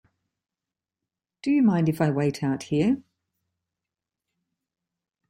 Do you mind if I wait out here?